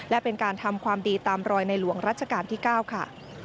และเป็นการทำความดีตามรอยในหลวงรัชกาลที่๙ค่ะ